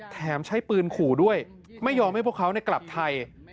แถมใช้ปืนขู่ด้วยไม่ยอมให้พวกเขากลับไทย